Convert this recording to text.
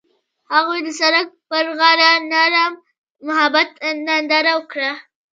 هغوی د سړک پر غاړه د نرم محبت ننداره وکړه.